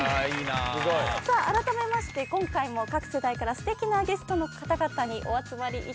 さああらためまして今回も各世代からすてきなゲストの方々にお集まりいただきました。